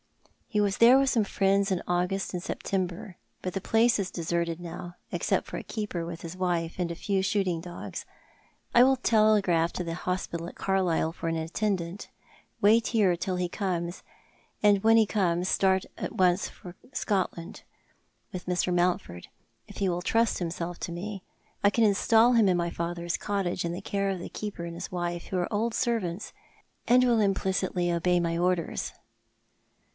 He was there with some friends in August and September, but the place is deserted now, except for a keeper with his wife, and a few shooting dogs. I will telegraph to the hospital at Carlisle for an attendant, wait here till he comes, and when he comes start at once for Scotland with Mr. Mountford, if he will trust himself to me. I caniustal him in my father's cottage, in the care of the keeper and his wife, who are old servants, and will implicitly obey my orders."